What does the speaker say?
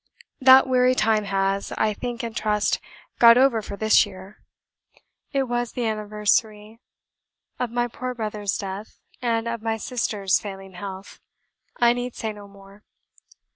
That weary time has, I think and trust, got over for this year. It was the anniversary of my poor brother's death, and of my sister's failing health: I need say no more.